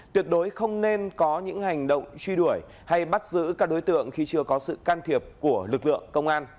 tuyệt đối không nên có những hành động truy đuổi hay bắt giữ các đối tượng khi chưa có sự can thiệp của lực lượng công an